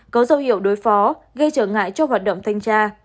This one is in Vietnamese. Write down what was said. có dấu hiệu đối phó gây trở ngại cho hoạt động thanh tra